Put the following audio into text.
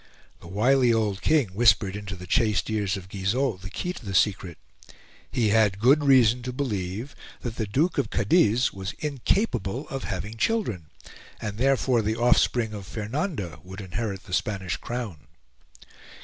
The wily old King whispered into the chaste ears of Guizot the key to the secret; he had good reason to believe that the Duke of Cadiz was incapable of having children, and therefore the offspring of Fernanda would inherit the Spanish crown.